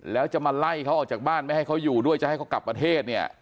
แล้วจะมาไล่เขาออกจากบ้านไม่ให้เขาอยู่ด้วยจะให้เขากลับประเทศเนี่ย